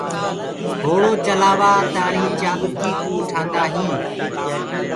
گھوڙو چلآوآ تآڻي چآڀڪي ڪو اُٺآندآ هينٚ